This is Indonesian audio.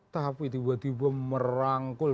tapi tiba tiba merangkul